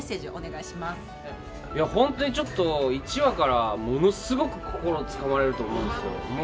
いや本当にちょっと１話からものすごく心つかまれると思うんですよ。